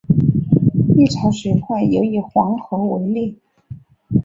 历朝水患尤以黄河为烈。